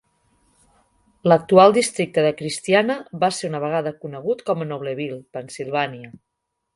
L'actual districte de Christiana va ser una vegada conegut com a Nobleville (Pennsilvània).